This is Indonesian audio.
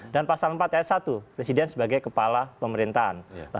dan pasal empat ayat satu presiden sebagai kepala pemerintahan